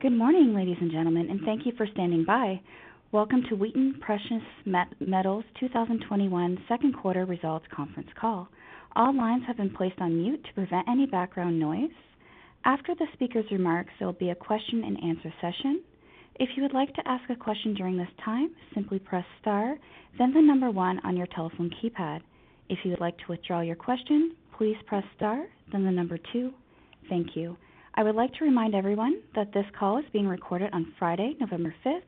Good morning, ladies and gentlemen, and thank you for standing by. Welcome to Wheaton Precious Metals 2021 second quarter results conference call. All lines have been placed on mute to prevent any background noise. After the speaker's remarks, there'll be a question-and-answer session. If you would like to ask a question during this time, simply press star then the number one on your telephone keypad. If you would like to withdraw your question, please press star then the number two. Thank you. I would like to remind everyone that this call is being recorded on Friday, November 5th,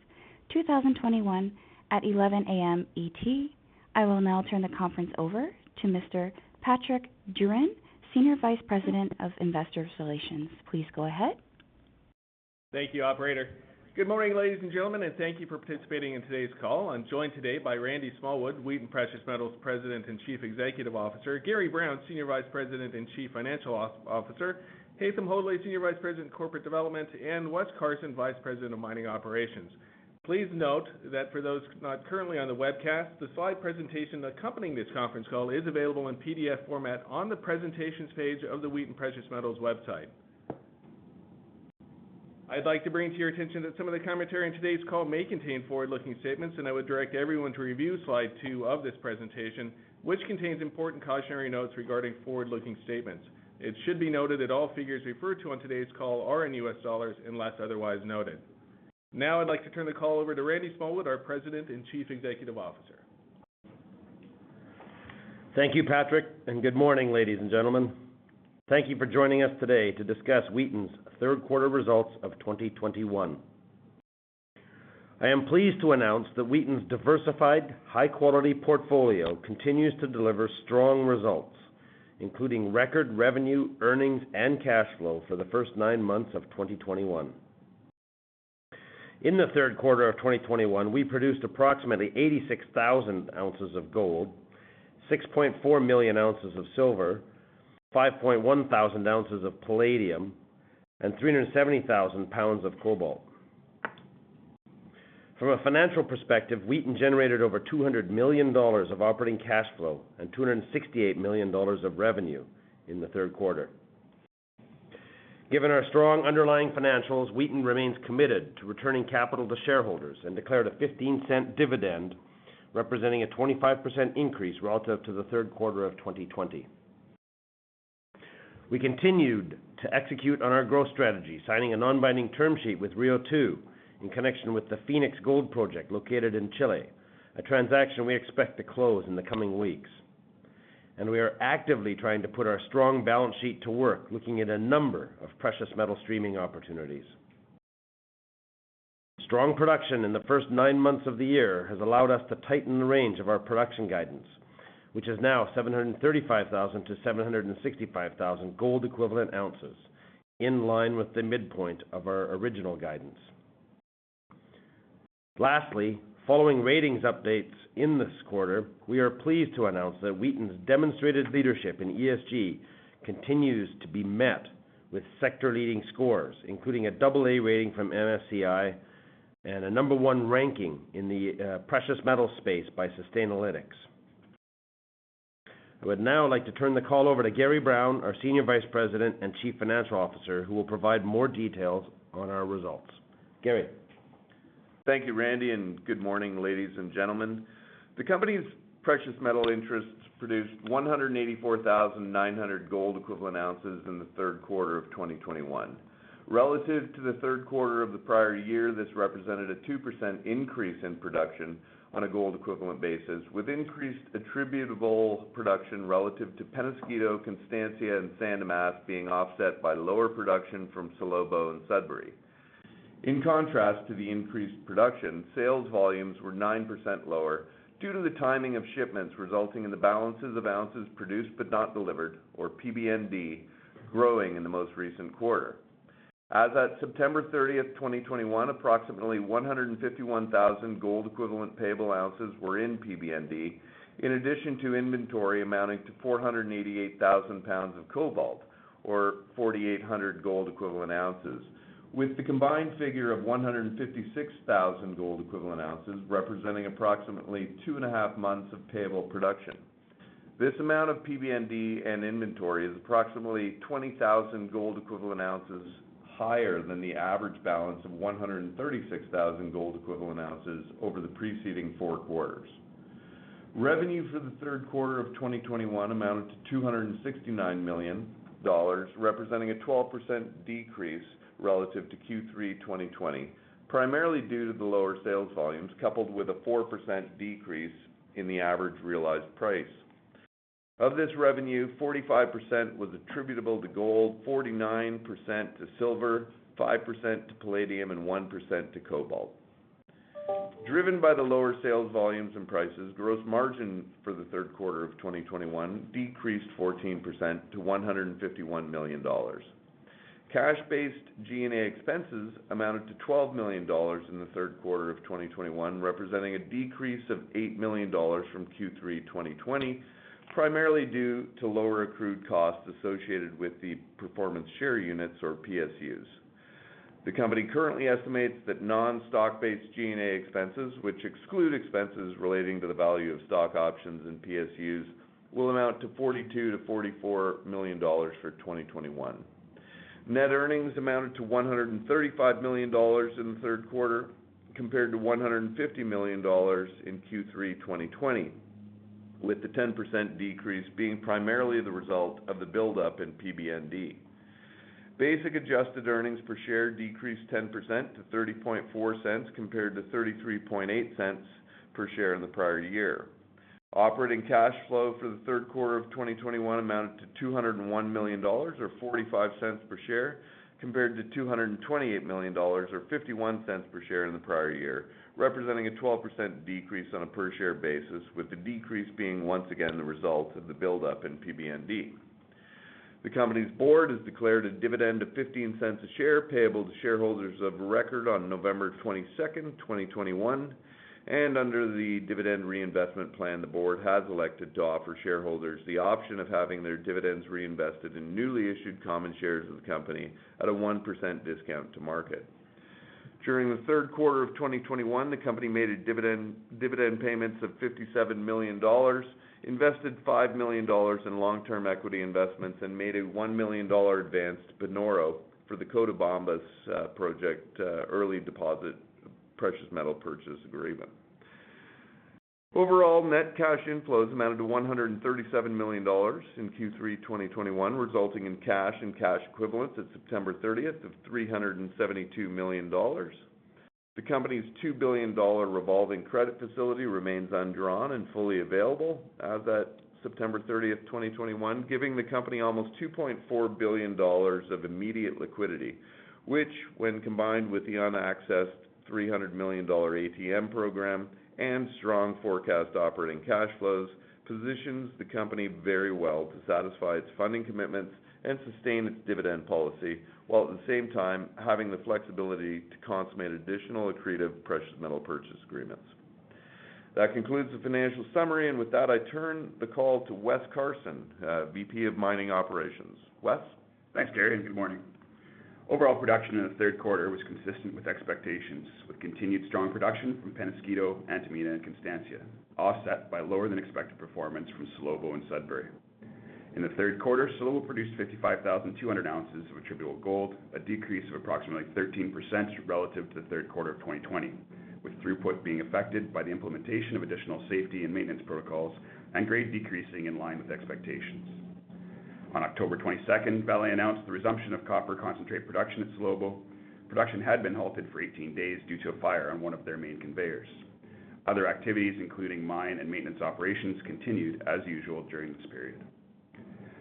2021 at 11 A.M. ET. I will now turn the conference over to Mr. Patrick Drouin, Senior Vice President of Investor Relations. Please go ahead. Thank you, operator. Good morning, ladies and gentlemen, and thank you for participating in today's call. I'm joined today by Randy Smallwood, Wheaton Precious Metals President and Chief Executive Officer, Gary Brown, Senior Vice President and Chief Financial Officer, Haytham Hodaly, Senior Vice President, Corporate Development, and Wes Carson, Vice President of Mining Operations. Please note that for those not currently on the webcast, the slide presentation accompanying this conference call is available in PDF format on the Presentations page of the Wheaton Precious Metals website. I'd like to bring to your attention that some of the commentary in today's call may contain forward-looking statements, and I would direct everyone to review slide two of this presentation, which contains important cautionary notes regarding forward-looking statements. It should be noted that all figures referred to on today's call are in U.S. dollars, unless otherwise noted. Now I'd like to turn the call over to Randy Smallwood, our President and Chief Executive Officer. Thank you, Patrick, and good morning, ladies and gentlemen. Thank you for joining us today to discuss Wheaton's third quarter results of 2021. I am pleased to announce that Wheaton's diversified high-quality portfolio continues to deliver strong results, including record revenue, earnings, and cash flow for the first nine months of 2021. In the third quarter of 2021, we produced approximately 86,000 ounces of gold, 6.4 million ounces of silver, 5,100 ounces of palladium, and 370,000 pounds of cobalt. From a financial perspective, Wheaton generated over $200 million of operating cash flow and $268 million of revenue in the third quarter. Given our strong underlying financials, Wheaton remains committed to returning capital to shareholders and declared a $0.15 dividend, representing a 25% increase relative to the third quarter of 2020. We continued to execute on our growth strategy, signing a non-binding term sheet with Rio2 in connection with the Fenix Gold Project located in Chile, a transaction we expect to close in the coming weeks. We are actively trying to put our strong balance sheet to work, looking at a number of precious metal streaming opportunities. Strong production in the first nine months of the year has allowed us to tighten the range of our production guidance, which is now 735,000-765,000 gold equivalent ounces, in line with the midpoint of our original guidance. Lastly, following ratings updates in this quarter, we are pleased to announce that Wheaton's demonstrated leadership in ESG continues to be met with sector leading scores, including a double A rating from MSCI and a number one ranking in the precious metal space by Sustainalytics. I would now like to turn the call over to Gary Brown, our Senior Vice President and Chief Financial Officer, who will provide more details on our results. Gary. Thank you, Randy, and good morning, ladies and gentlemen. The company's precious metal interests produced 184,900 gold equivalent ounces in third quarter 2021. Relative to the third quarter of the prior year, this represented a 2% increase in production on a gold equivalent basis, with increased attributable production relative to Peñasquito, Constancia and San Dimas being offset by lower production from Salobo and Sudbury. In contrast to the increased production, sales volumes were 9% lower due to the timing of shipments resulting in the balances of ounces produced but not delivered or PBND growing in the most recent quarter. As at September 30, 2021, approximately 151,000 gold equivalent payable ounces were in PBND, in addition to inventory amounting to 488,000 pounds of cobalt or 4,800 gold equivalent ounces, with the combined figure of 156,000 gold equivalent ounces representing approximately two and a half months of payable production. This amount of PBND and inventory is approximately 20,000 gold equivalent ounces higher than the average balance of 136,000 gold equivalent ounces over the preceding four quarters. Revenue for the third quarter of 2021 amounted to $269 million, representing a 12% decrease relative to Q3 2020, primarily due to the lower sales volumes, coupled with a 4% decrease in the average realized price. Of this revenue, 45% was attributable to gold, 49% to silver, 5% to palladium, and 1% to cobalt. Driven by the lower sales volumes and prices, gross margin for the third quarter of 2021 decreased 14% to $151 million. Cash-based G&A expenses amounted to $12 million in the third quarter of 2021, representing a decrease of $8 million from Q3 2020, primarily due to lower accrued costs associated with the performance share units or PSUs. The company currently estimates that non-stock-based G&A expenses, which exclude expenses relating to the value of stock options and PSUs, will amount to $42 million-$44 million for 2021. Net earnings amounted to $135 million in the third quarter compared to $150 million in Q3 2020, with the 10% decrease being primarily the result of the buildup in PBND. Basic adjusted earnings per share decreased 10% to $0.304 compared to $0.338 per share in the prior year. Operating cash flow for the third quarter of 2021 amounted to $201 million or $0.45 per share compared to $228 million or $0.51 per share in the prior year, representing a 12% decrease on a per share basis, with the decrease being once again the result of the buildup in PBND. The company's board has declared a dividend of $0.15 a share payable to shareholders of record on November 22nd, 2021. Under the dividend reinvestment plan, the board has elected to offer shareholders the option of having their dividends reinvested in newly issued common shares of the company at a 1% discount to market. During the third quarter of 2021, the company made dividend payments of $57 million, invested $5 million in long-term equity investments, and made a $1 million advance to Panoro for the Cotabambas project early deposit precious metal purchase agreement. Overall, net cash inflows amounted to $137 million in Q3 2021, resulting in cash and cash equivalents at September 30th of $372 million. The company's $2 billion revolving credit facility remains undrawn and fully available as at September 30th, 2021, giving the company almost $2.4 billion of immediate liquidity, which when combined with the unaccessed $300 million ATM program and strong forecast operating cash flows, positions the company very well to satisfy its funding commitments and sustain its dividend policy, while at the same time having the flexibility to consummate additional accretive precious metal purchase agreements. That concludes the financial summary, and with that, I turn the call to Wes Carson, VP of Mining Operations. Wes? Thanks, Gary, and good morning. Overall production in the third quarter was consistent with expectations, with continued strong production from Peñasquito, Antamina, and Constancia, offset by lower than expected performance from Salobo and Sudbury. In the third quarter, Salobo produced 55,200 ounces of attributable gold, a decrease of approximately 13% relative to the third quarter of 2020, with throughput being affected by the implementation of additional safety and maintenance protocols and grade decreasing in line with expectations. On October 22nd, Vale announced the resumption of copper concentrate production at Salobo. Production had been halted for 18 days due to a fire on one of their main conveyors. Other activities, including mine and maintenance operations, continued as usual during this period.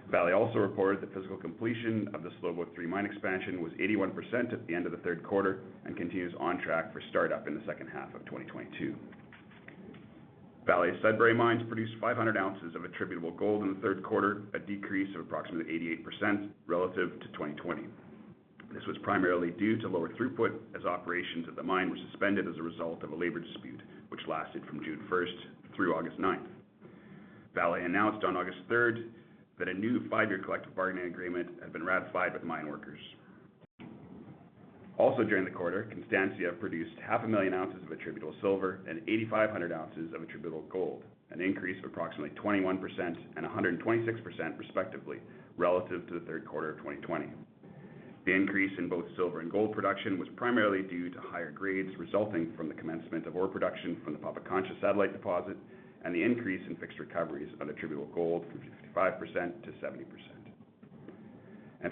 Vale also reported the physical completion of the Salobo III mine expansion was 81% at the end of the third quarter and continues on track for startup in the second half of 2022. Vale's Sudbury mines produced 500 ounces of attributable gold in the third quarter, a decrease of approximately 88% relative to 2020. This was primarily due to lower throughput as operations at the mine were suspended as a result of a labor dispute, which lasted from June 1st through August 9th. Vale announced on August 3rd that a new five-year collective bargaining agreement had been ratified with mine workers. Also during the quarter, Constancia produced half a million ounces of attributable silver and 8,500 ounces of attributable gold, an increase of approximately 21% and 126% respectively, relative to the third quarter of 2020. The increase in both silver and gold production was primarily due to higher grades resulting from the commencement of ore production from the Pampacancha satellite deposit and the increase in fixed recoveries of attributable gold from 55% to 70%.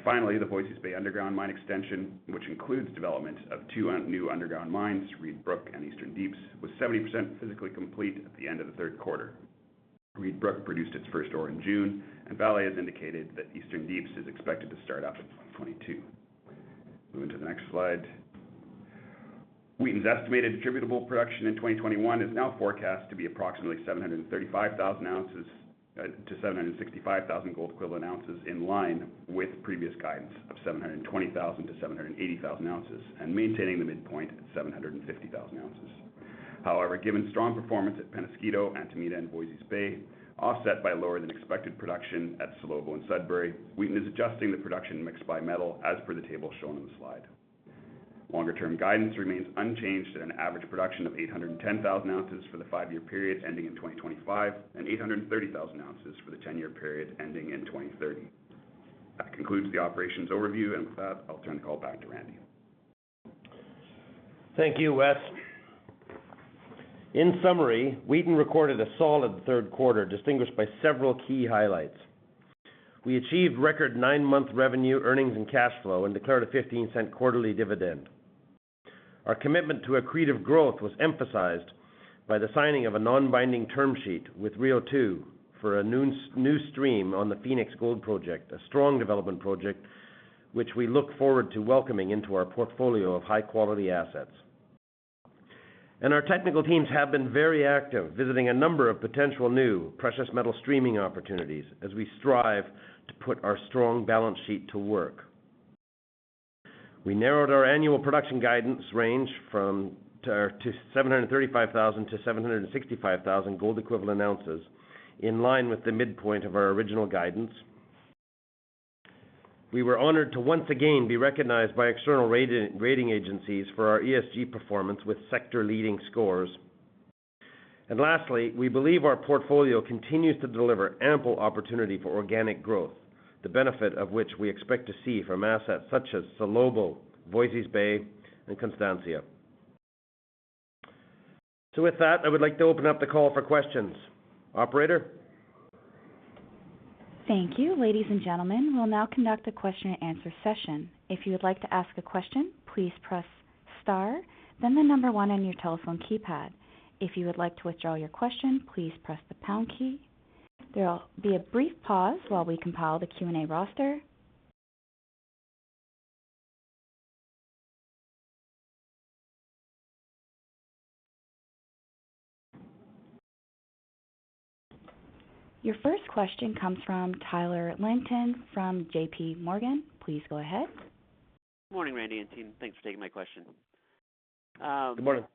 Finally, the Voisey's Bay underground mine extension, which includes development of two new underground mines, Reed Brook and Eastern Deeps, was 70% physically complete at the end of the third quarter. Reed Brook produced its first ore in June, and Vale has indicated that Eastern Deeps is expected to start up in 2022. Move into the next slide. Wheaton's estimated attributable production in 2021 is now forecast to be approximately 735,000 ounces to 765,000 gold equivalent ounces in line with previous guidance of 720,000 to 780,000 ounces, and maintaining the midpoint at 750,000 ounces. However, given strong performance at Peñasquito, Antamina, and Voisey's Bay, offset by lower than expected production at Salobo and Sudbury, Wheaton is adjusting the production mix by metal, as per the table shown in the slide. Longer term guidance remains unchanged at an average production of 810,000 ounces for the five-year period ending in 2025 and 830,000 ounces for the ten-year period ending in 2030. That concludes the operations overview, and with that, I'll turn the call back to Randy. Thank you, Wes. In summary, Wheaton recorded a solid third quarter, distinguished by several key highlights. We achieved record nine-month revenue, earnings, and cash flow and declared a $0.15 quarterly dividend. Our commitment to accretive growth was emphasized by the signing of a non-binding term sheet with Rio2 for a new stream on the Fenix Gold Project, a strong development project which we look forward to welcoming into our portfolio of high-quality assets. Our technical teams have been very active, visiting a number of potential new precious metal streaming opportunities as we strive to put our strong balance sheet to work. We narrowed our annual production guidance range from 735,000-765,000 gold equivalent ounces in line with the midpoint of our original guidance. We were honored to once again be recognized by external rating agencies for our ESG performance with sector-leading scores. Lastly, we believe our portfolio continues to deliver ample opportunity for organic growth, the benefit of which we expect to see from assets such as Salobo, Voisey's Bay and Constancia. With that, I would like to open up the call for questions. Operator? Thank you. Ladies and gentlemen, we'll now conduct a question-and-answer session. If you would like to ask a question, please press star, then the number one on your telephone keypad. If you would like to withdraw your question, please press the pound key. There will be a brief pause while we compile the Q&A roster. Your first question comes from Tanya Jakusconek from Scotiabank. Please go ahead. Good morning, Randy and team. Thanks for taking my question. Good morning.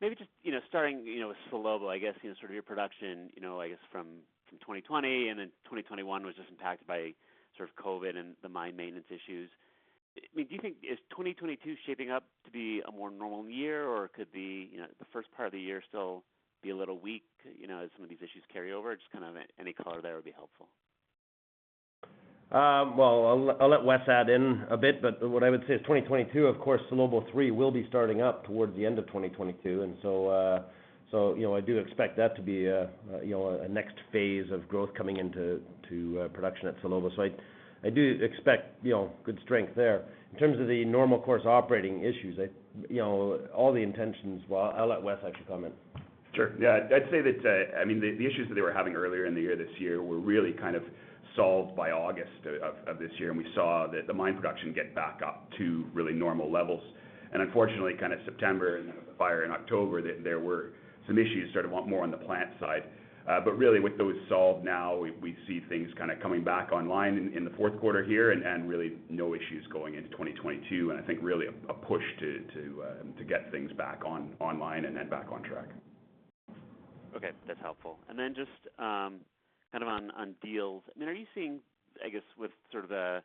Maybe just, you know, starting, you know, with Salobo, I guess, you know, sort of your production, you know, I guess from 2020 and then 2021 was just impacted by sort of COVID and the mine maintenance issues. I mean, do you think is 2022 shaping up to be a more normal year? Or could the, you know, the first part of the year still be a little weak, you know, as some of these issues carry over? Just kind of any color there would be helpful. Well, I'll let Wes add in a bit, but what I would say is 2022, of course, Salobo III will be starting up towards the end of 2022. You know, I do expect that to be a next phase of growth coming into production at Salobo. I do expect good strength there. In terms of the normal course operating issues, you know, all the operations. Well, I'll let Wes actually comment. Sure. Yeah, I'd say that, I mean, the issues that they were having earlier in the year this year were really kind of solved by August of this year, and we saw the mine production get back up to really normal levels. Unfortunately, kind of September and then with the fire in October, there were some issues sort of more on the plant side. But really with those solved now, we see things kind of coming back online in the fourth quarter here and really no issues going into 2022. I think really a push to get things back online and then back on track. Okay, that's helpful. Just kind of on deals. I mean, are you seeing, I guess, with sort of the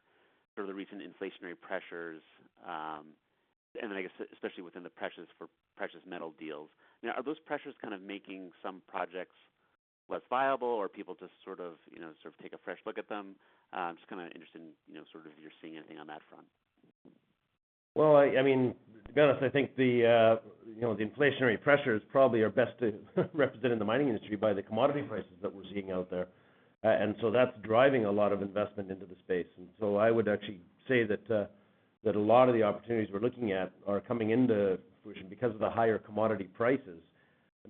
recent inflationary pressures, and then I guess especially within the precious metal deals, you know, are those pressures kind of making some projects less viable or people just sort of, you know, take a fresh look at them? Just kind of interested in, you know, sort of if you're seeing anything on that front. Well, I mean, to be honest, I think the you know, the inflationary pressures probably are best represented in the mining industry by the commodity prices that we're seeing out there. That's driving a lot of investment into the space. I would actually say that a lot of the opportunities we're looking at are coming into fruition because of the higher commodity prices.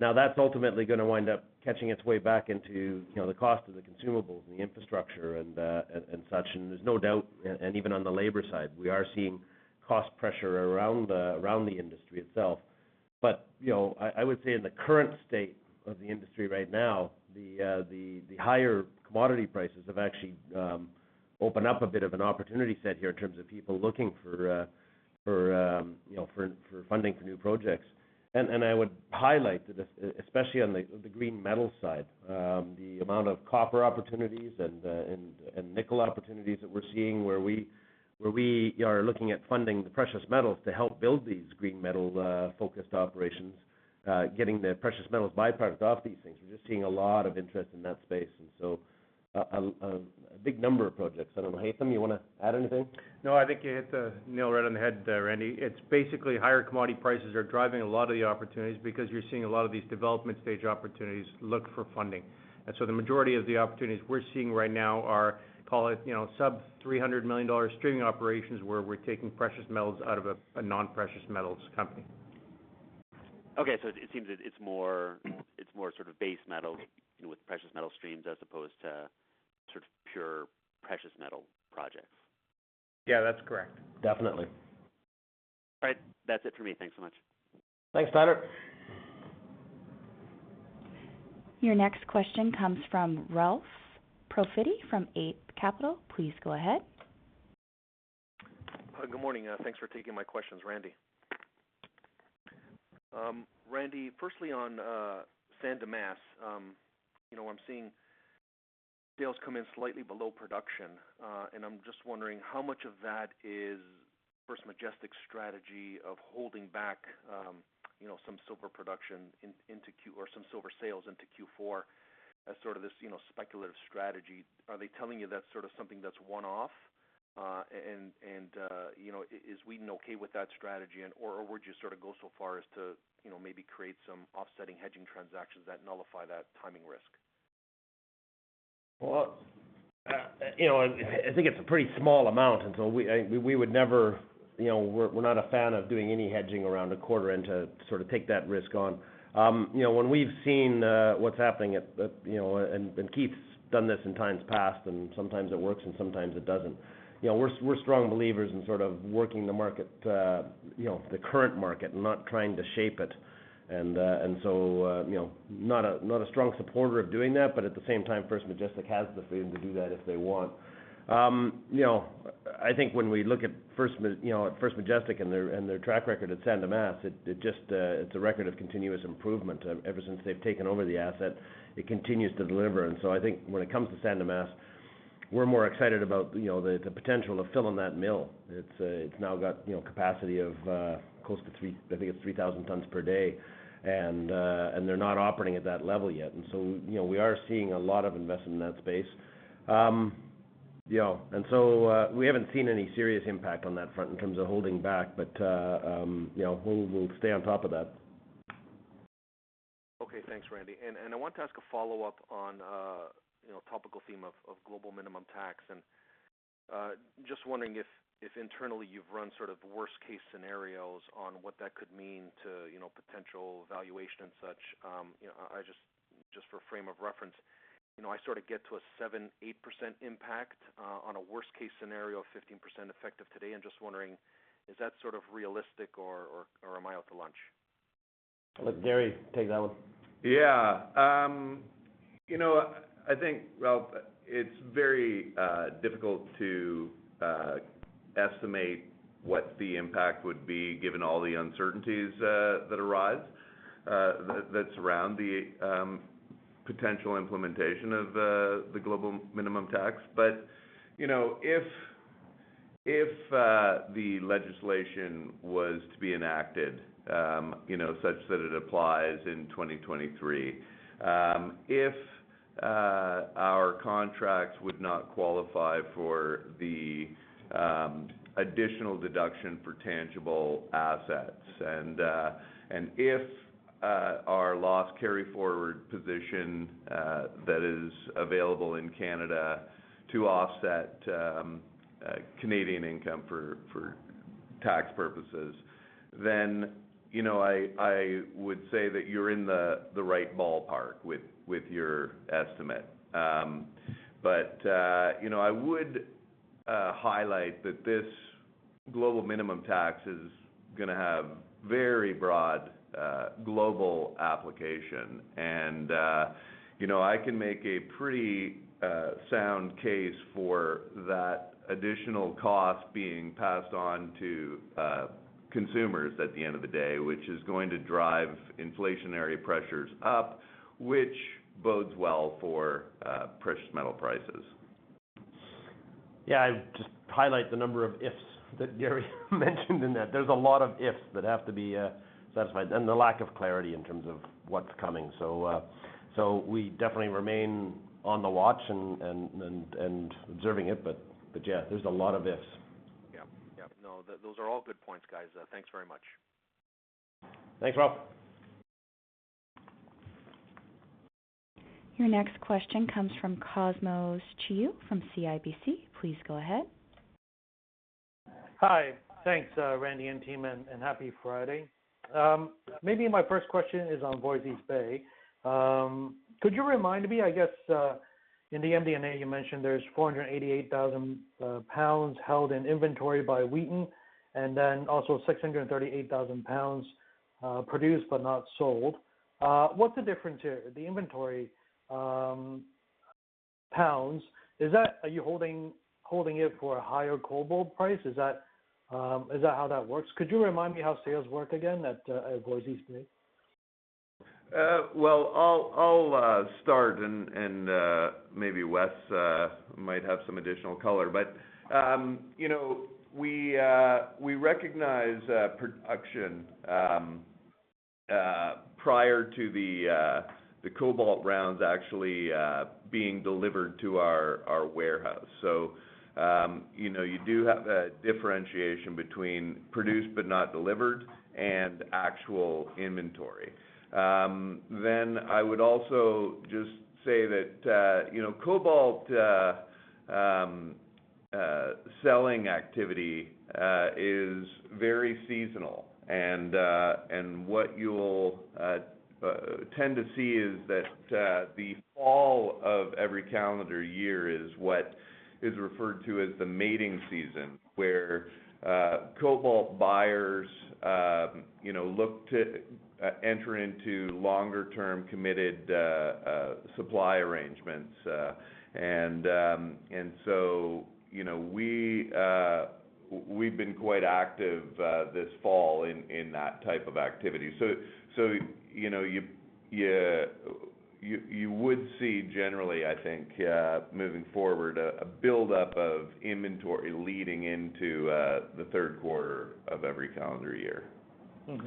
Now, that's ultimately gonna wind up catching its way back into you know, the cost of the consumables and the infrastructure and such. There's no doubt, and even on the labor side, we are seeing cost pressure around the industry itself. You know, I would say in the current state of the industry right now, the higher commodity prices have actually opened up a bit of an opportunity set here in terms of people looking for funding for new projects. I would highlight this especially on the green metal side, the amount of copper opportunities and nickel opportunities that we're seeing where we are looking at funding the precious metals to help build these green metal focused operations, getting the precious metals byproducts off these things. We're just seeing a lot of interest in that space. A big number of projects. I don't know, Haytham, you wanna add anything? No, I think you hit the nail right on the head there, Randy. It's basically higher commodity prices are driving a lot of the opportunities because you're seeing a lot of these development stage opportunities look for funding. The majority of the opportunities we're seeing right now are, call it, you know, sub-$300 million streaming operations, where we're taking precious metals out of a non-precious metals company. Okay, it seems that it's more sort of base metals, you know, with precious metal streams as opposed to sort of pure precious metal projects. Yeah, that's correct. Definitely. All right. That's it for me. Thanks so much. Thanks, Tanya. Your next question comes from Ralph Profiti from Eight Capital. Please go ahead. Good morning. Thanks for taking my questions, Randy. Randy, firstly on San Dimas. You know, I'm seeing sales come in slightly below production. I'm just wondering how much of that is First Majestic's strategy of holding back, you know, some silver production into Q4 or some silver sales into Q4 as sort of this, you know, speculative strategy. Are they telling you that's sort of something that's one-off? You know, is Wheaton okay with that strategy or would you sort of go so far as to, you know, maybe create some offsetting hedging transactions that nullify that timing risk? Well, you know, I think it's a pretty small amount, and so we would never, you know. We're not a fan of doing any hedging around a quarter and to sort of take that risk on. You know, when we've seen what's happening at, you know, and Keith's done this in times past, and sometimes it works, and sometimes it doesn't. You know, we're strong believers in sort of working the market, you know, the current market and not trying to shape it. And so, you know, not a strong supporter of doing that, but at the same time, First Majestic has the freedom to do that if they want. You know, I think when we look at First Majestic and their track record at San Dimas, it just is a record of continuous improvement. Ever since they've taken over the asset, it continues to deliver. I think when it comes to San Dimas, we're more excited about the potential of filling that mill. It's now got capacity of close to 3,000, I think it's 3,000 tons per day. They're not operating at that level yet. You know, we are seeing a lot of investment in that space. You know, we haven't seen any serious impact on that front in terms of holding back. You know, we'll stay on top of that. Okay, thanks, Randy. I want to ask a follow-up on, you know, topical theme of global minimum tax. Just wondering if internally you've run sort of worst case scenarios on what that could mean to, you know, potential valuation and such. You know, I just for frame of reference, you know, I sort of get to a 7-8% impact on a worst case scenario, 15% effective today. Just wondering, is that sort of realistic or am I out to lunch? Let Gary take that one. Yeah. You know, I think, Ralph, it's very difficult to estimate what the impact would be given all the uncertainties that arise that surround the potential implementation of the global minimum tax. You know, if the legislation was to be enacted, you know, such that it applies in 2023, if our contracts would not qualify for the additional deduction for tangible assets, and if our loss carry forward position that is available in Canada to offset Canadian income for tax purposes, then, you know, I would say that you're in the right ballpark with your estimate. You know, I would highlight that this global minimum tax is gonna have very broad global application. You know, I can make a pretty sound case for that additional cost being passed on to consumers at the end of the day, which is going to drive inflationary pressures up, which bodes well for precious metal prices. Yeah. I just highlight the number of ifs that Gary mentioned in that. There's a lot of ifs that have to be satisfied, and the lack of clarity in terms of what's coming. We definitely remain on the watch and observing it. Yeah, there's a lot of ifs. Yeah. No, those are all good points, guys. Thanks very much. Thanks, Ralph. Your next question comes from Cosmos Chiu from CIBC. Please go ahead. Hi. Thanks, Randy and team, and happy Friday. Maybe my first question is on Voisey's Bay. Could you remind me, I guess, in the MD&A you mentioned there's 488,000 pounds held in inventory by Wheaton, and then also 638,000 pounds produced but not sold. What's the difference here? The inventory pounds, is that? Are you holding it for a higher cobalt price? Is that how that works? Could you remind me how sales work again at Voisey's Bay? I'll start and maybe Wes might have some additional color. You know, we recognize production prior to the cobalt rounds actually being delivered to our warehouse. You know, you do have a differentiation between produced but not delivered and actual inventory. Then I would also just say that you know, cobalt selling activity is very seasonal. And what you'll tend to see is that the fall of every calendar year is what is referred to as the mating season, where cobalt buyers you know look to enter into longer term committed supply arrangements. you know, we've been quite active this fall in that type of activity. You know, you would see generally, I think, moving forward a buildup of inventory leading into the third quarter of every calendar year. Mm-hmm.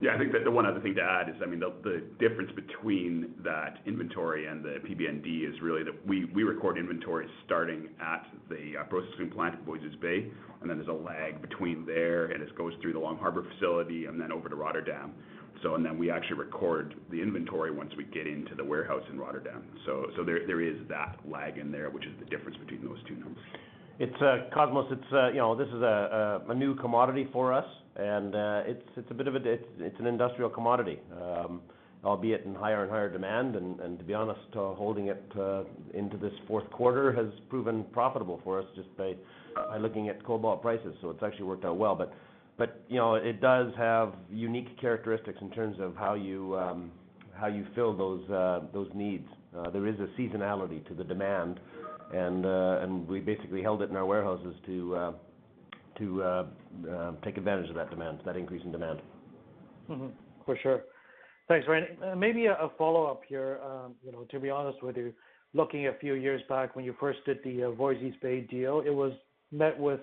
Yeah. I think that the one other thing to add is, I mean, the difference between that inventory and the PBND is really that we record inventory starting at the processing plant at Voisey's Bay, and then there's a lag between there, and it goes through the Long Harbour facility and then over to Rotterdam. We actually record the inventory once we get into the warehouse in Rotterdam. There is that lag in there, which is the difference between those two numbers. It's Cosmos, you know, this is a new commodity for us, and it's an industrial commodity, albeit in higher and higher demand. To be honest, holding it into this fourth quarter has proven profitable for us just by looking at cobalt prices. It's actually worked out well. You know, it does have unique characteristics in terms of how you fill those needs. There is a seasonality to the demand, and we basically held it in our warehouses to take advantage of that demand, that increase in demand. For sure. Thanks, Randy. Maybe a follow-up here. You know, to be honest with you, looking a few years back when you first did the Voisey's Bay deal, it was met with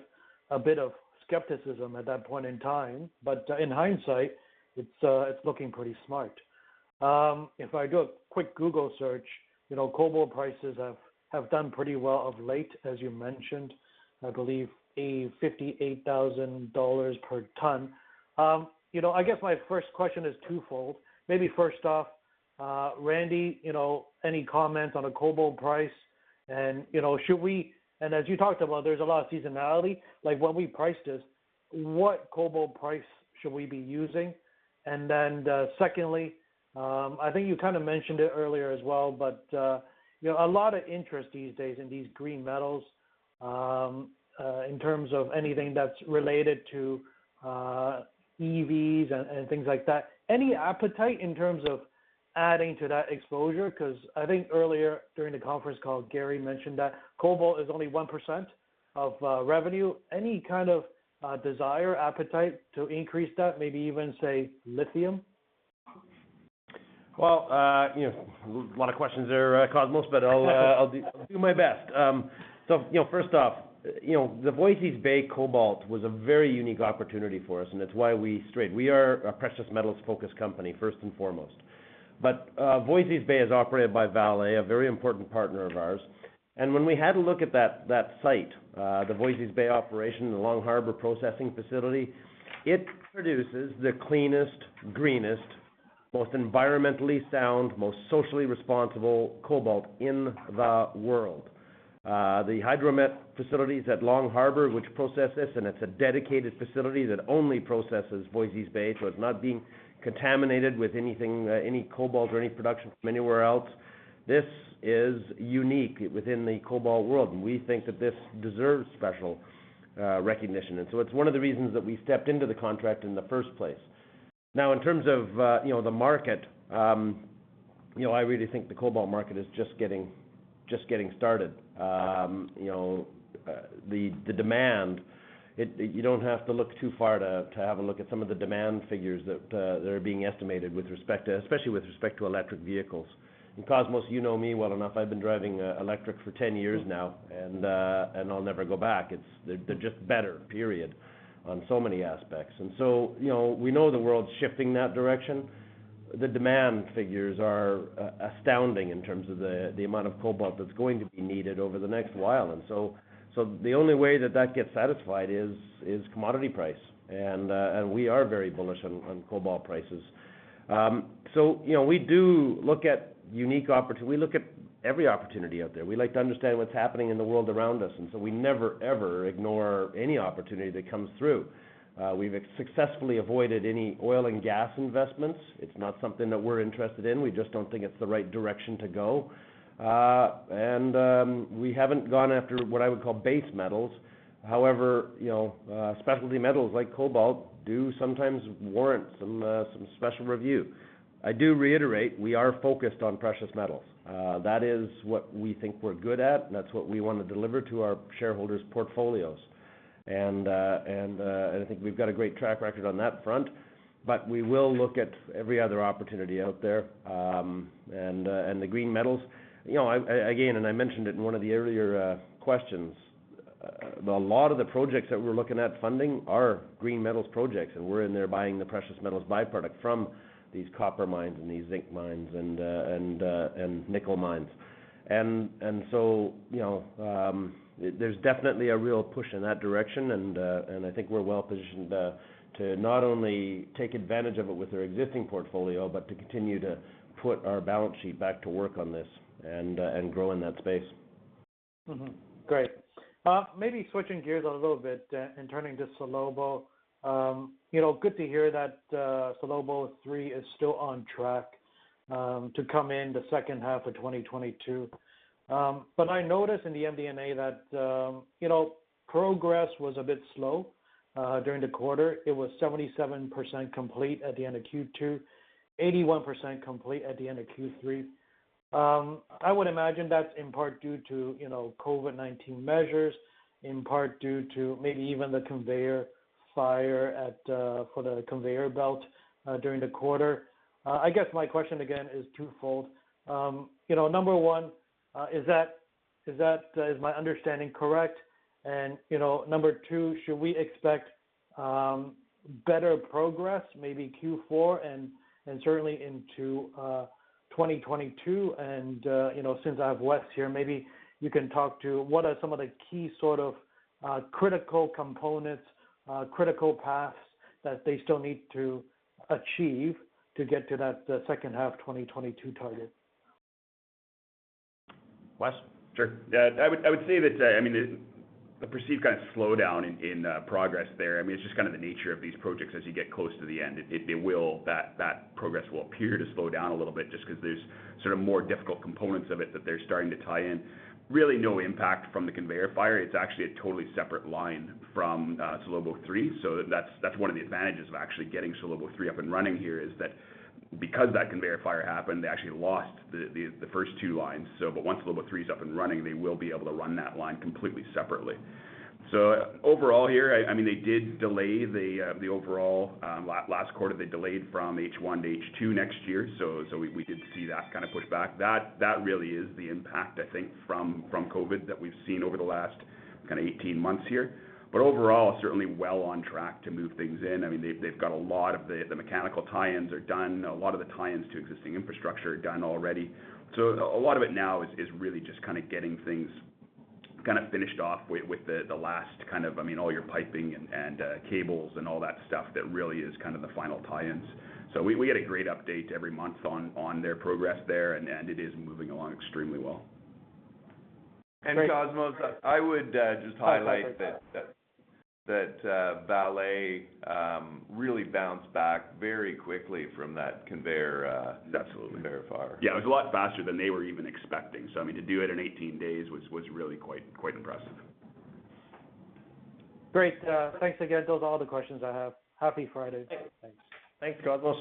a bit of skepticism at that point in time. In hindsight, it's looking pretty smart. If I do a quick Google search, you know, cobalt prices have done pretty well of late, as you mentioned, I believe $58,000 per ton. You know, I guess my first question is twofold. Maybe first off, Randy, you know, any comments on the cobalt price? And, you know, should we? As you talked about, there's a lot of seasonality, like when we priced this, what cobalt price should we be using? Secondly, I think you kind of mentioned it earlier as well, but you know, a lot of interest these days in these green metals, in terms of anything that's related to EVs and things like that. Any appetite in terms of adding to that exposure? Because I think earlier during the conference call, Gary mentioned that cobalt is only 1% of revenue. Any kind of desire, appetite to increase that, maybe even say lithium? Well, you know, lot of questions there, Cosmos, but I'll do my best. So, you know, first off, you know, the Voisey's Bay cobalt was a very unique opportunity for us, and it's why we strayed. We are a precious metals focused company first and foremost. Voisey's Bay is operated by Vale, a very important partner of ours. When we had a look at that site, the Voisey's Bay operation, the Long Harbour processing facility, it produces the cleanest, greenest, most environmentally sound, most socially responsible cobalt in the world. The hydromet facilities at Long Harbour, which process this, and it's a dedicated facility that only processes Voisey's Bay, so it's not being contaminated with anything, any cobalt or any production from anywhere else. This is unique within the cobalt world, and we think that this deserves special recognition. It's one of the reasons that we stepped into the contract in the first place. Now, in terms of, you know, the market, you know, I really think the cobalt market is just getting started. You know, the demand, it, you don't have to look too far to have a look at some of the demand figures that are being estimated with respect to, especially with respect to electric vehicles. Cosmos, you know me well enough, I've been driving electric for 10 years now, and I'll never go back. It's, they're just better, period, on so many aspects. You know, we know the world's shifting that direction. The demand figures are astounding in terms of the amount of cobalt that's going to be needed over the next while. The only way that gets satisfied is commodity price. We are very bullish on cobalt prices. You know, we look at every opportunity out there. We like to understand what's happening in the world around us, and so we never, ever ignore any opportunity that comes through. We've successfully avoided any oil and gas investments. It's not something that we're interested in. We just don't think it's the right direction to go. We haven't gone after what I would call base metals. However, you know, specialty metals like cobalt do sometimes warrant some special review. I do reiterate, we are focused on precious metals. That is what we think we're good at, and that's what we wanna deliver to our shareholders' portfolios. I think we've got a great track record on that front. We will look at every other opportunity out there, and the green metals. You know, again, I mentioned it in one of the earlier questions, a lot of the projects that we're looking at funding are green metals projects, and we're in there buying the precious metals byproduct from these copper mines and these zinc mines and nickel mines. You know, there's definitely a real push in that direction, and I think we're well positioned to not only take advantage of it with our existing portfolio, but to continue to put our balance sheet back to work on this and grow in that space. Great. Maybe switching gears a little bit and turning to Salobo. You know, good to hear that Salobo III is still on track to come in the second half of 2022. But I noticed in the MD&A that you know, progress was a bit slow during the quarter. It was 77% complete at the end of Q2, 81% complete at the end of Q3. I would imagine that's in part due to you know, COVID-19 measures, in part due to maybe even the conveyor fire at the conveyor belt during the quarter. I guess my question again is twofold. You know, number one, is my understanding correct? You know, number two, should we expect better progress maybe Q4 and certainly into 2022? You know, since I have Wes here, maybe you can talk to what are some of the key sort of critical components, critical paths that they still need to achieve to get to that second half 2022 target? Wes? Sure. Yeah, I would say that, I mean, the perceived kind of slowdown in progress there, I mean, it's just kind of the nature of these projects as you get close to the end. That progress will appear to slow down a little bit just 'cause there's sort of more difficult components of it that they're starting to tie in. Really no impact from the conveyor fire. It's actually a totally separate line from Salobo III. So that's one of the advantages of actually getting Salobo III up and running here, is that- Because that conveyor fire happened, they actually lost the first two lines. Once Salobo III is up and running, they will be able to run that line completely separately. Overall here, I mean they did delay the overall last quarter, they delayed from H1 to H2 next year. We did see that kind of pushback. That really is the impact, I think from COVID that we've seen over the last kind of 18 months here. Overall, certainly well on track to move things in. I mean, they've got a lot of the mechanical tie-ins are done. A lot of the tie-ins to existing infrastructure are done already. A lot of it now is really just kind of getting things kind of finished off with the last kind of, I mean, all your piping and cables and all that stuff that really is kind of the final tie-ins. We get a great update every month on their progress there and it is moving along extremely well. Cosmos, I would just highlight that Vale really bounced back very quickly from that conveyor, Absolutely. Conveyor fire. Yeah, it was a lot faster than they were even expecting. I mean, to do it in 18 days was really quite impressive. Great. Thanks again. Those are all the questions I have. Happy Friday. Thanks. Thanks, Cosmos.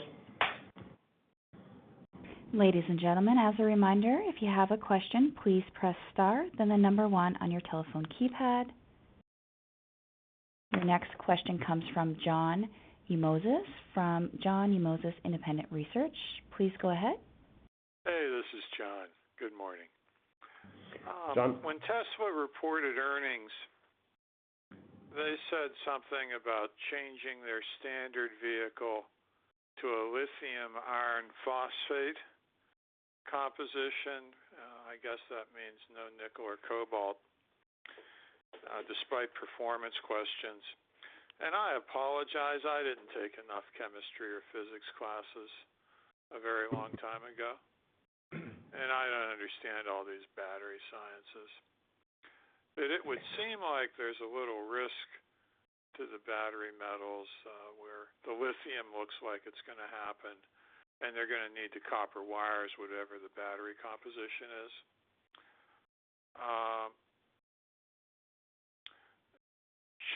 Ladies and gentlemen, as a reminder, if you have a question, please press star then one on your telephone keypad. Your next question comes from John Tumazos from John Tumazos Very Independent Research. Please go ahead. Hey, this is John. Good morning. John. When Tesla reported earnings, they said something about changing their standard vehicle to a lithium iron phosphate composition. I guess that means no nickel or cobalt, despite performance questions. I apologize, I didn't take enough chemistry or physics classes a very long time ago, and I don't understand all these battery sciences. It would seem like there's a little risk to the battery metals, where the lithium looks like it's gonna happen, and they're gonna need the copper wires, whatever the battery composition is.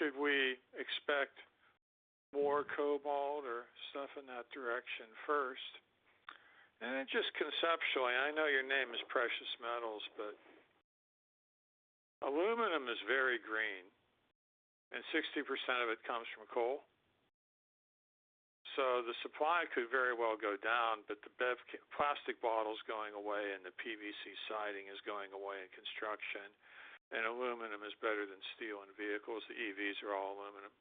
Should we expect more cobalt or stuff in that direction first? Just conceptually, I know your name is Precious Metals, but aluminum is very green, and 60% of it comes from coal. The supply could very well go down, but the plastic bottle's going away, and the PVC siding is going away in construction, and aluminum is better than steel in vehicles. The EVs are all aluminum.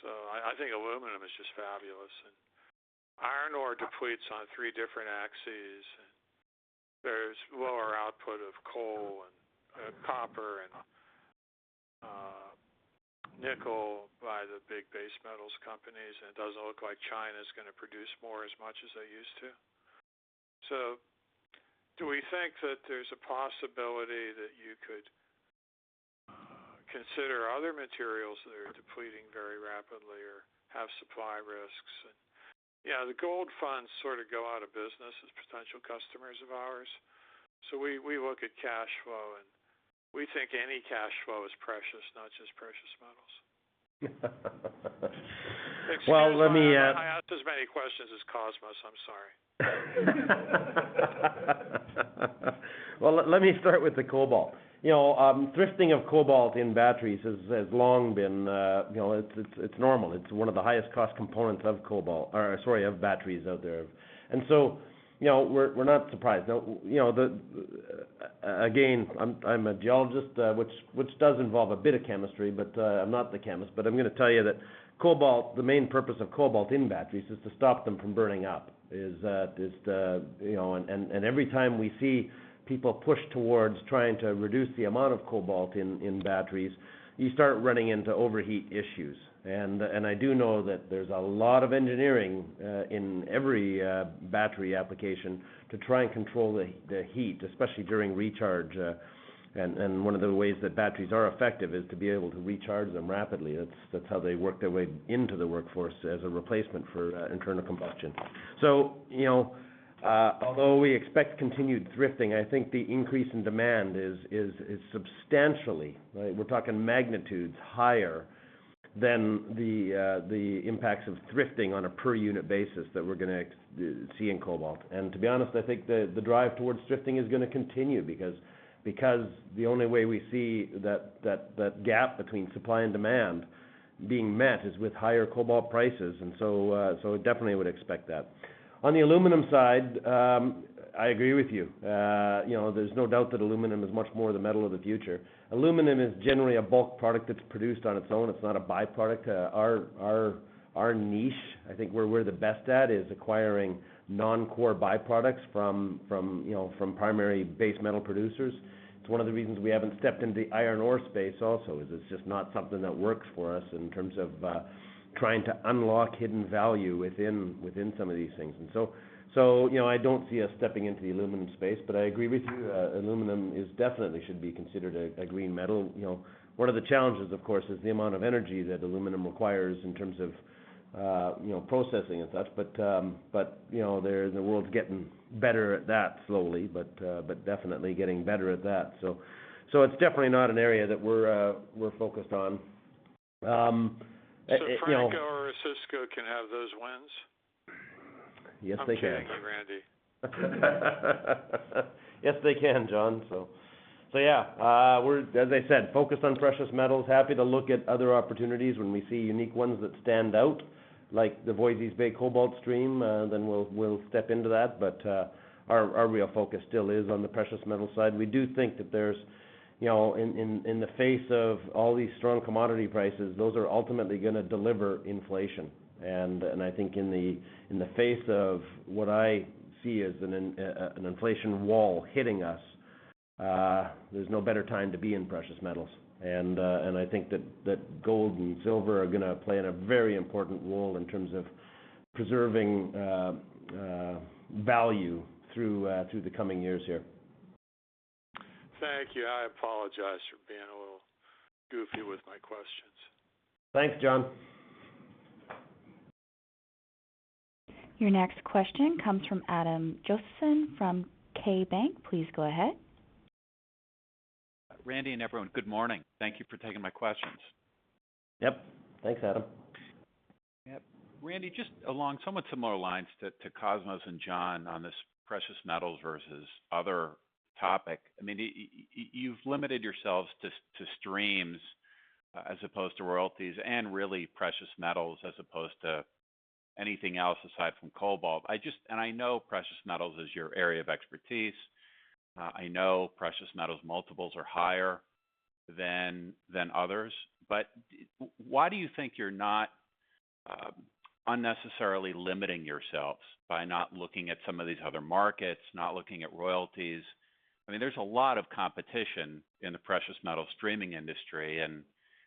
I think aluminum is just fabulous. Iron ore depletes on three different axes, and there's lower output of coal and copper and nickel by the big base metals companies. It doesn't look like China's gonna produce more as much as they used to. Do we think that there's a possibility that you could consider other materials that are depleting very rapidly or have supply risks? You know, the gold funds sort of go out of business as potential customers of ours. We look at cash flow, and we think any cash flow is precious, not just precious metals. So, let me. Excuse me. I asked as many questions as Cosmos. I'm sorry. Well, let me start with the cobalt. You know, thrifting of cobalt in batteries has long been, you know, it's normal. It's one of the highest cost components of cobalt or, sorry, of batteries out there. You know, we're not surprised. Now, you know, again, I'm a geologist, which does involve a bit of chemistry, but I'm not the chemist. But I'm gonna tell you that the main purpose of cobalt in batteries is to stop them from burning up. Every time we see people push towards trying to reduce the amount of cobalt in batteries, you start running into overheat issues. I do know that there's a lot of engineering in every battery application to try and control the heat, especially during recharge. One of the ways that batteries are effective is to be able to recharge them rapidly. That's how they work their way into the workforce as a replacement for internal combustion. You know, although we expect continued thrifting, I think the increase in demand is substantially right, we're talking magnitudes higher than the impacts of thrifting on a per unit basis that we're gonna see in cobalt. To be honest, I think the drive towards thrifting is gonna continue because the only way we see that gap between supply and demand being met is with higher cobalt prices. Definitely would expect that. On the aluminum side, I agree with you. You know, there's no doubt that aluminum is much more the metal of the future. Aluminum is generally a bulk product that's produced on its own. It's not a byproduct. Our niche, I think where we're the best at, is acquiring non-core byproducts from you know, from primary base metal producers. It's one of the reasons we haven't stepped into the iron ore space also, is it's just not something that works for us in terms of trying to unlock hidden value within some of these things. You know, I don't see us stepping into the aluminum space. I agree with you, aluminum is definitely should be considered a green metal. You know, one of the challenges, of course, is the amount of energy that aluminum requires in terms of, you know, processing and such. You know, the world's getting better at that slowly, but definitely getting better at that. It's definitely not an area that we're focused on, you know. Franco or Osisko can have those wins? Yes, they can. I'm kidding you, Randy. Yes, they can, John. As I said, we're focused on precious metals. Happy to look at other opportunities when we see unique ones that stand out, like the Voisey's Bay cobalt stream, then we'll step into that. Our real focus still is on the precious metal side. We do think that there's, you know, in the face of all these strong commodity prices, those are ultimately gonna deliver inflation. I think in the face of what I see as an inflation wall hitting us, there's no better time to be in precious metals. I think that gold and silver are gonna play a very important role in terms of preserving value through the coming years here. Thank you. I apologize for being a little goofy with my questions. Thanks, John. Your next question comes from Adam Josephson from KeyBanc. Please go ahead. Randy and everyone, good morning. Thank you for taking my questions. Yep. Thanks, Adam. Yep. Randy, just along somewhat similar lines to Cosmos and John on this precious metals versus other topic. I mean, you've limited yourselves to streams as opposed to royalties and really precious metals as opposed to anything else aside from cobalt. I just. I know precious metals is your area of expertise. I know precious metals multiples are higher than others. But why do you think you're not unnecessarily limiting yourselves by not looking at some of these other markets, not looking at royalties? I mean, there's a lot of competition in the precious metal streaming industry, and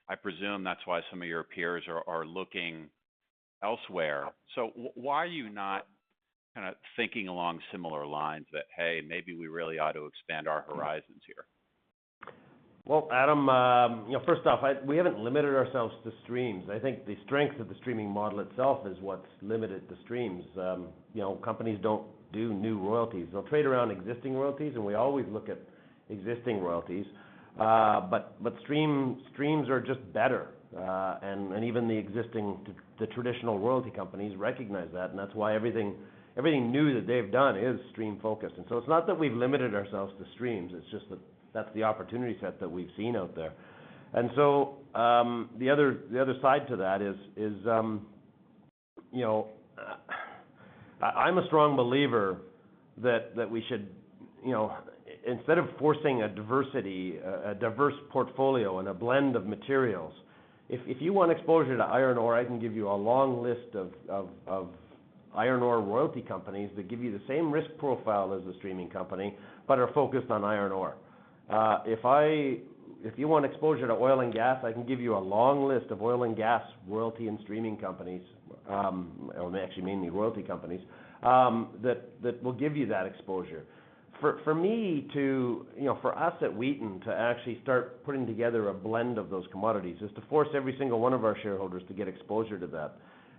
I presume that's why some of your peers are looking elsewhere. Why are you not kinda thinking along similar lines that, "Hey, maybe we really ought to expand our horizons here?" Well, Adam, you know, first off, we haven't limited ourselves to streams. I think the strength of the streaming model itself is what's limited to streams. You know, companies don't do new royalties. They'll trade around existing royalties, and we always look at existing royalties. But streams are just better. And even the existing traditional royalty companies recognize that, and that's why everything new that they've done is stream focused. It's not that we've limited ourselves to streams, it's just that that's the opportunity set that we've seen out there. The other side to that is, you know, I'm a strong believer that we should, you know, instead of forcing a diverse portfolio and a blend of materials, if you want exposure to iron ore, I can give you a long list of iron ore royalty companies that give you the same risk profile as a streaming company but are focused on iron ore. If you want exposure to oil and gas, I can give you a long list of oil and gas royalty and streaming companies, well, actually mainly royalty companies, that will give you that exposure. For me to, you know, for us at Wheaton to actually start putting together a blend of those commodities is to force every single one of our shareholders to get exposure to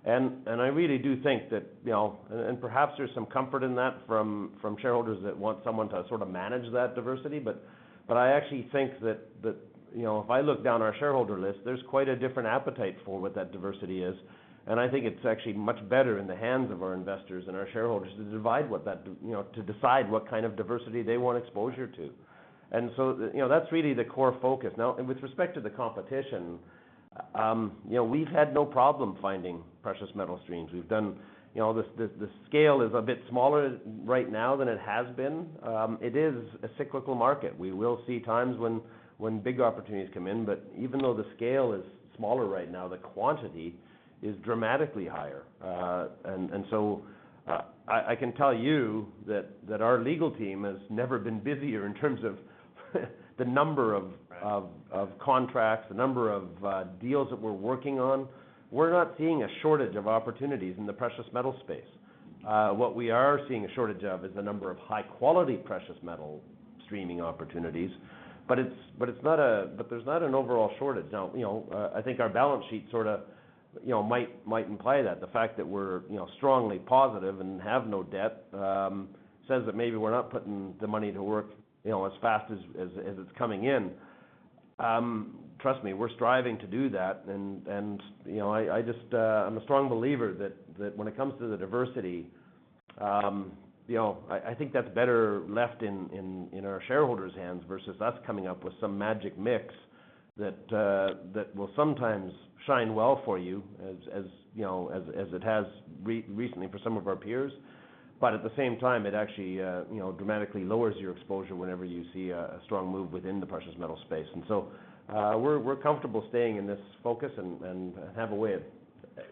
that. I really do think that, you know, perhaps there's some comfort in that from shareholders that want someone to sort of manage that diversity. I actually think that, you know, if I look down our shareholder list, there's quite a different appetite for what that diversity is. I think it's actually much better in the hands of our investors and our shareholders to decide what kind of diversity they want exposure to. You know, that's really the core focus. Now, with respect to the competition, you know, we've had no problem finding precious metal streams. We've done, you know, the scale is a bit smaller right now than it has been. It is a cyclical market. We will see times when big opportunities come in, even though the scale is smaller right now, the quantity is dramatically higher. I can tell you that our legal team has never been busier in terms of the number of contracts, the number of deals that we're working on. We're not seeing a shortage of opportunities in the precious metal space. What we are seeing a shortage of is the number of high-quality precious metal streaming opportunities. There's not an overall shortage. You know, I think our balance sheet sorta might imply that. The fact that we're, you know, strongly positive and have no debt says that maybe we're not putting the money to work, you know, as fast as it's coming in. Trust me, we're striving to do that. You know, I'm a strong believer that when it comes to the diversification, you know, I think that's better left in our shareholders' hands versus us coming up with some magic mix that will sometimes shine well for you as, you know, as it has recently for some of our peers. At the same time, it actually, you know, dramatically lowers your exposure whenever you see a strong move within the precious metals space. We're comfortable staying in this focus and have a way of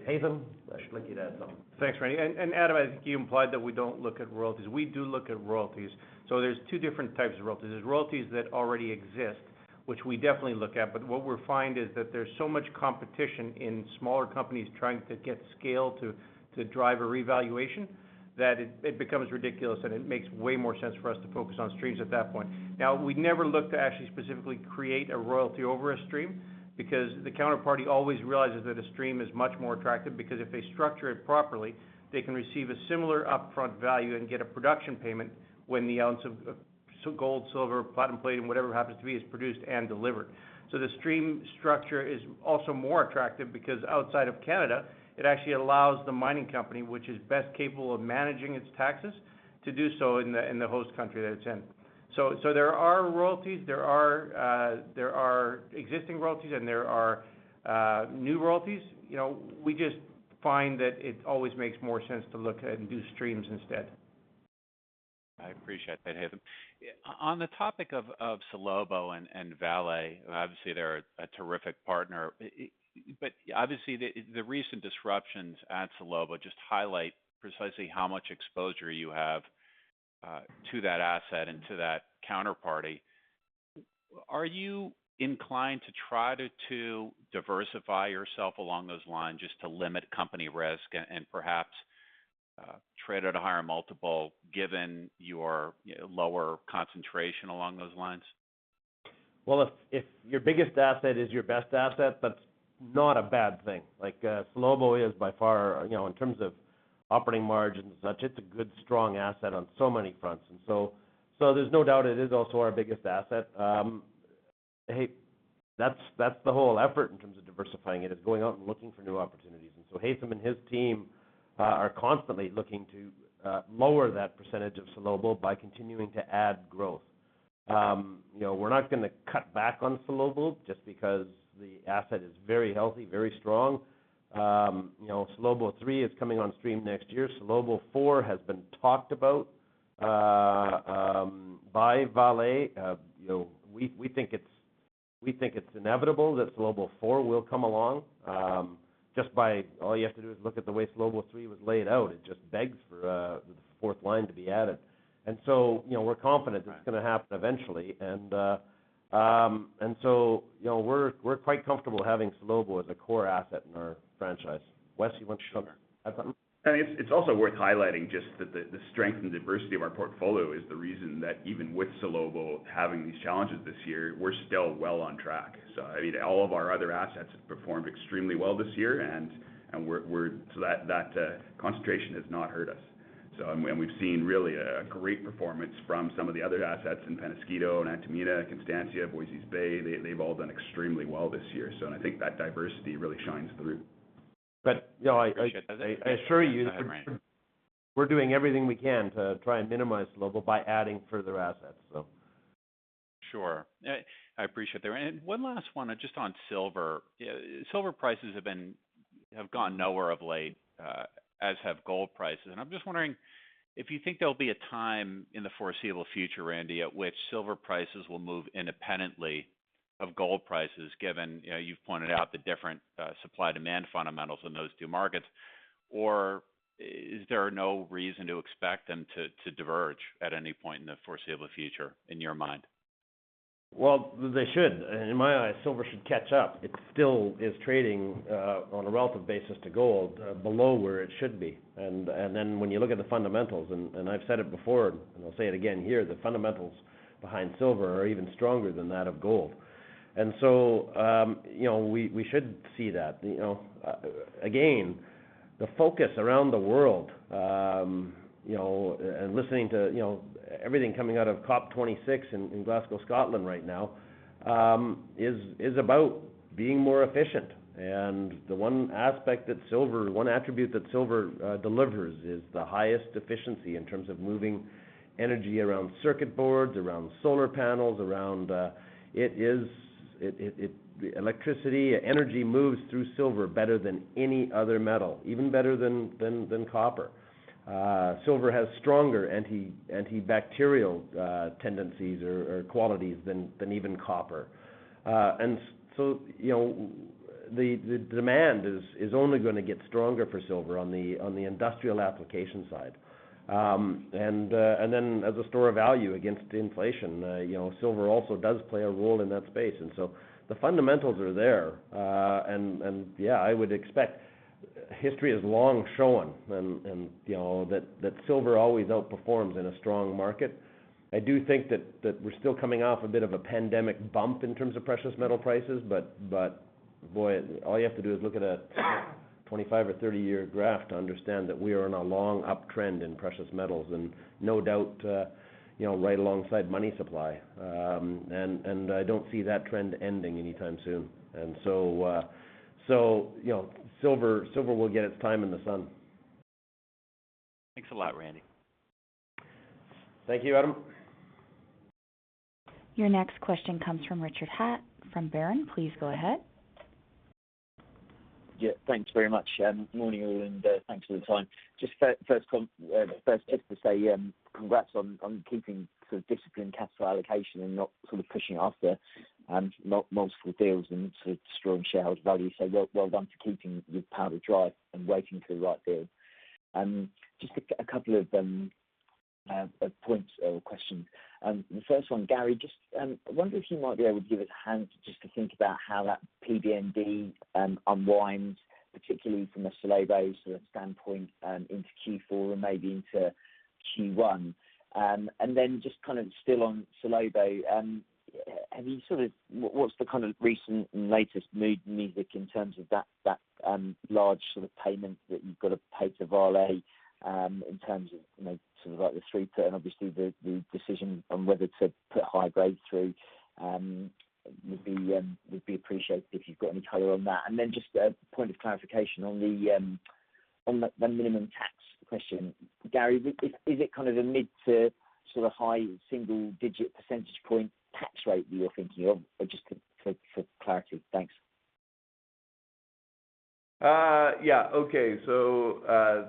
Haytham, I should let you add something. Thanks, Randy. Adam, I think you implied that we don't look at royalties. We do look at royalties. There's two different types of royalties. There's royalties that already exist, which we definitely look at. What we find is that there's so much competition in smaller companies trying to get scale to drive a revaluation, that it becomes ridiculous, and it makes way more sense for us to focus on streams at that point. Now, we never look to actually specifically create a royalty over a stream because the counterparty always realizes that a stream is much more attractive because if they structure it properly, they can receive a similar upfront value and get a production payment when the ounce of Gold, silver, platinum, whatever happens to be, is produced and delivered. The stream structure is also more attractive because outside of Canada, it actually allows the mining company, which is best capable of managing its taxes, to do so in the host country that it's in. There are existing royalties and new royalties. You know, we just find that it always makes more sense to look at and do streams instead. I appreciate that, Haytham. On the topic of Salobo and Vale, obviously, they're a terrific partner. Obviously, the recent disruptions at Salobo just highlight precisely how much exposure you have to that asset and to that counterparty. Are you inclined to try to diversify yourself along those lines just to limit company risk and perhaps trade at a higher multiple given your lower concentration along those lines? Well, if your biggest asset is your best asset, that's not a bad thing. Like, Salobo is by far, you know, in terms of operating margins and such, it's a good, strong asset on so many fronts. There's no doubt it is also our biggest asset. Hey, that's the whole effort in terms of diversifying it, is going out and looking for new opportunities. Haytham and his team are constantly looking to lower that percentage of Salobo by continuing to add growth. You know, we're not gonna cut back on Salobo just because the asset is very healthy, very strong. You know, Salobo III is coming on stream next year. Salobo IV has been talked about by Vale. We think it's inevitable that Salobo IV will come along. All you have to do is look at the way Salobo III was laid out. It just begs for the fourth line to be added. You know, we're quite comfortable having Salobo as a core asset in our franchise. Wes, you want to add? Sure. It's also worth highlighting just that the strength and diversity of our portfolio is the reason that even with Salobo having these challenges this year, we're still well on track. I mean, all of our other assets have performed extremely well this year, and that concentration has not hurt us. We've seen really a great performance from some of the other assets in Peñasquito and Antamina, Constancia, Voisey's Bay. They've all done extremely well this year. I think that diversity really shines through. You know, I assure you we're doing everything we can to try and minimize Salobo by adding further assets. Sure. I appreciate that. One last one just on silver. Silver prices have gone nowhere of late, as have gold prices. I'm just wondering if you think there'll be a time in the foreseeable future, Randy, at which silver prices will move independently of gold prices, given, you know, you've pointed out the different supply demand fundamentals in those two markets. Or is there no reason to expect them to diverge at any point in the foreseeable future in your mind? Well, they should. In my eyes, silver should catch up. It still is trading on a relative basis to gold below where it should be. When you look at the fundamentals, and I've said it before and I'll say it again here, the fundamentals behind silver are even stronger than that of gold. You know, we should see that. You know, again, the focus around the world, you know, and listening to, you know, everything coming out of COP26 in Glasgow, Scotland right now, is about being more efficient. The one attribute that silver delivers is the highest efficiency in terms of moving energy around circuit boards, around solar panels, around. It is electrical energy moves through silver better than any other metal, even better than copper. Silver has stronger antibacterial tendencies or qualities than even copper. You know, the demand is only gonna get stronger for silver on the industrial application side. And then as a store of value against inflation, you know, silver also does play a role in that space. The fundamentals are there. Yeah, I would expect history has long shown and you know that silver always outperforms in a strong market. I do think that we're still coming off a bit of a pandemic bump in terms of precious metal prices. Boy, all you have to do is look at a 25- or 30-year graph to understand that we are in a long uptrend in precious metals and no doubt, you know, right alongside money supply. I don't see that trend ending anytime soon. You know, silver will get its time in the sun. Thanks a lot, Randy. Thank you, Adam. Your next question comes from Richard Hatch from Berenberg. Please go ahead. Yeah, thanks very much. Morning, all, and thanks for the time. Just first to say, congrats on keeping sort of discipline, cash flow allocation and not sort of pushing after multiple deals and sort of destroying shareholder value. Well done to keeping your powder dry and waiting for the right deal. Just a couple of points or questions. The first one, Gary, I wonder if you might be able to give us a hint just to think about how that PBND unwinds, particularly from a Salobo sort of standpoint, into Q4 and maybe into Q1. Just kind of still on Salobo, you know, what's the kind of recent and latest mood music in terms of that large sort of payment that you've got to pay to Vale, in terms of, you know, sort of like the throughput and obviously the decision on whether to put high grade through, would be appreciated if you've got any color on that. Just a point of clarification on the minimum tax question, Gary. Is it kind of a mid- to high-single-digit percentage point tax rate that you're thinking of? Or just for clarity? Thanks.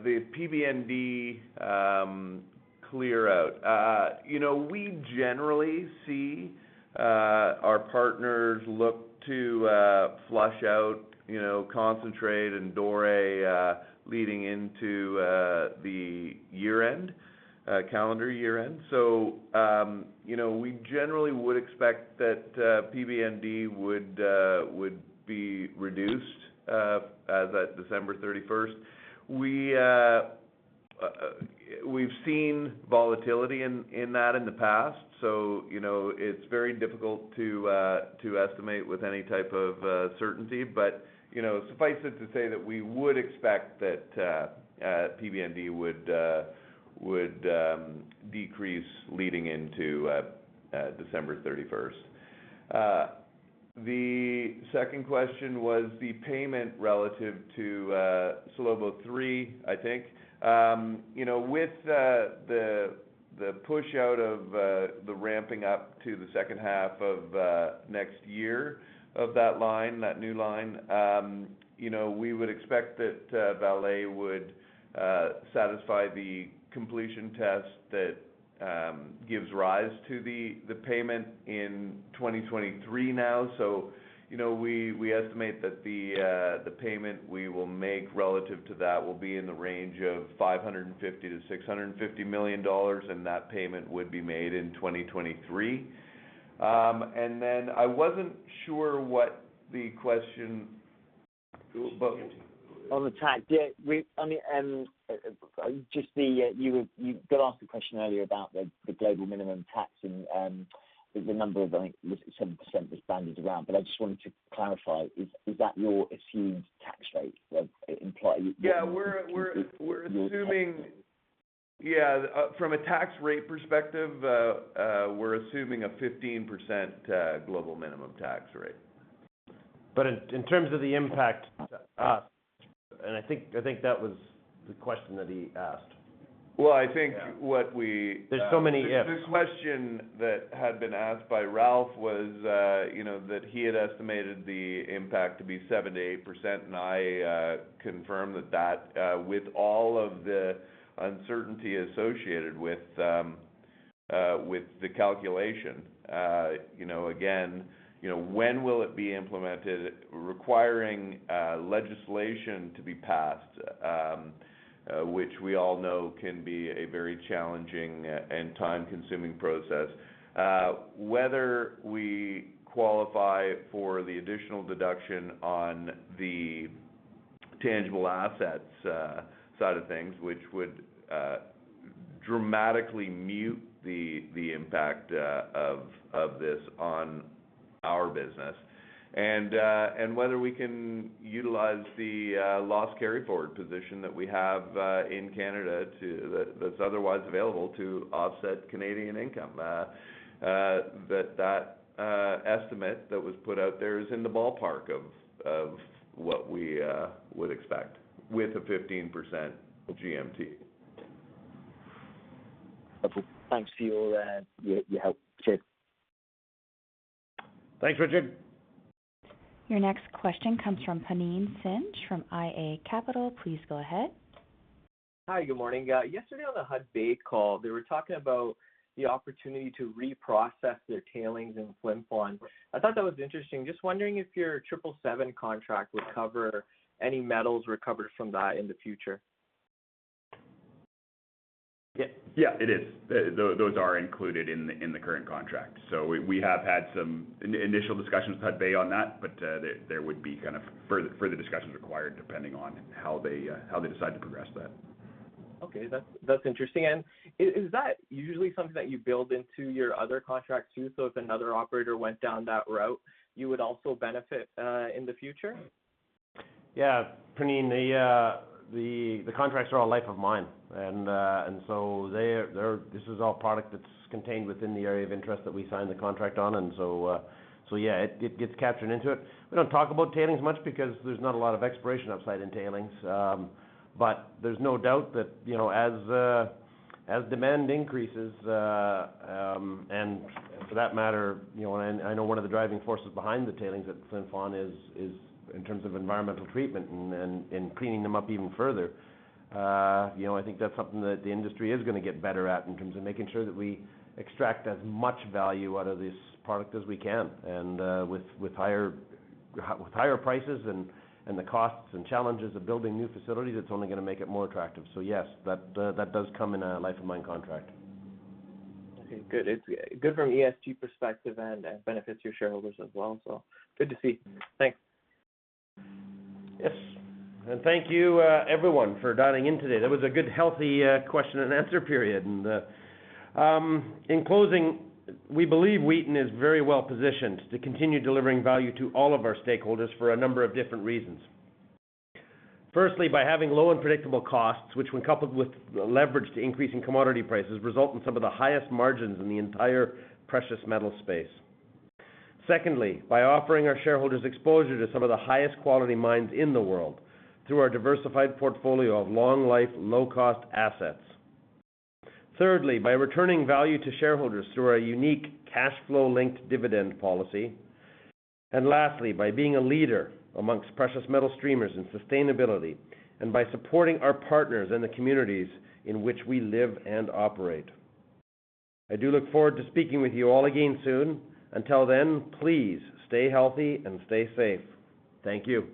The PBND clear out. You know, we generally see our partners look to flush out, you know, concentrate and doré leading into the year-end, calendar year-end. You know, we generally would expect that PBND would be reduced as at December 31st. We've seen volatility in that in the past, so you know, it's very difficult to estimate with any type of certainty. You know, suffice it to say that we would expect that PBND would decrease leading into December 31st. The second question was the payment relative to Salobo III, I think. You know, with the push out of the ramping up to the second half of next year of that line, that new line, you know, we would expect that Vale would satisfy the completion test that gives rise to the payment in 2023 now. You know, we estimate that the payment we will make relative to that will be in the range of $550 million-$650 million, and that payment would be made in 2023. Then I wasn't sure what the question... On the tax end, you got asked a question earlier about the global minimum tax and the number. I think it was 7% was bandied around, but I just wanted to clarify, is that your assumed tax rate that it imply- Yeah, from a tax rate perspective, we're assuming a 15% global minimum tax rate. In terms of the impact, and I think that was the question that he asked. Well, I think what we- There's so many ifs. The question that had been asked by Ralph was, you know, that he had estimated the impact to be 7%-8%. I confirmed that with all of the uncertainty associated with the calculation, you know, again, you know, when will it be implemented requiring legislation to be passed, which we all know can be a very challenging and time-consuming process. Whether we qualify for the additional deduction on the tangible assets side of things, which would dramatically mute the impact of this on our business. Whether we can utilize the loss carry forward position that we have in Canada that's otherwise available to offset Canadian income. That estimate that was put out there is in the ballpark of what we would expect with a 15% GMT. Okay. Thanks for all that. Yeah, you helped. Cheers. Thanks, Richard. Your next question comes from Puneet Singh from iA Capital. Please go ahead. Hi, good morning. Yesterday on the Hudbay call, they were talking about the opportunity to reprocess their tailings in Flin Flon. I thought that was interesting. Just wondering if your 777 contract would cover any metals recovered from that in the future? Yeah. Yeah, it is. Those are included in the current contract. We have had some initial discussions with Hudbay on that, but there would be kind of further discussions required depending on how they decide to progress that. Okay. That's interesting. Is that usually something that you build into your other contracts too? If another operator went down that route, you would also benefit in the future? Yeah. Puneet, the contracts are all life of mine. This is all product that's contained within the area of interest that we signed the contract on. Yeah, it gets captured into it. We don't talk about tailings much because there's not a lot of exploration upside in tailings. But there's no doubt that, you know, as demand increases, and for that matter, you know, and I know one of the driving forces behind the tailings at Flin Flon is in terms of environmental treatment and cleaning them up even further. You know, I think that's something that the industry is gonna get better at in terms of making sure that we extract as much value out of this product as we can. With higher prices and the costs and challenges of building new facilities, it's only gonna make it more attractive. Yes, that does come in a life-of-mine contract. Okay, good. It's good from an ESG perspective and it benefits your shareholders as well, so good to see. Thanks. Yes. Thank you, everyone for dialing in today. That was a good, healthy question and answer period. In closing, we believe Wheaton is very well positioned to continue delivering value to all of our stakeholders for a number of different reasons. Firstly, by having low and predictable costs, which when coupled with leverage to increasing commodity prices, result in some of the highest margins in the entire precious metal space. Secondly, by offering our shareholders exposure to some of the highest quality mines in the world through our diversified portfolio of long life, low cost assets. Thirdly, by returning value to shareholders through our unique cash flow linked dividend policy. Lastly, by being a leader amongst precious metal streamers in sustainability, and by supporting our partners in the communities in which we live and operate. I do look forward to speaking with you all again soon. Until then, please stay healthy and stay safe. Thank you.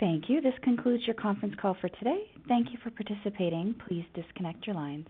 Thank you. This concludes your conference call for today. Thank you for participating. Please disconnect your lines.